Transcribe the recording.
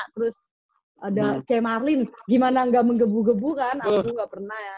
terus ada c marlin gimana ga menggebu gebu kan aduh ga pernah ya